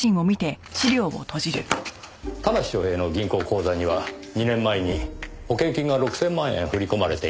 田無昌平の銀行口座には２年前に保険金が６０００万円振り込まれていました。